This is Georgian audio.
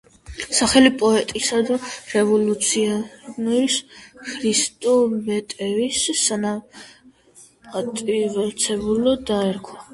სახელი პოეტისა და რევოლუციონერის ხრისტო ბოტევის საპატივცემულოდ დაერქვა.